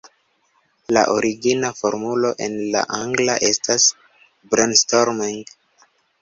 La origina formulo en la angla estas "brainstorming".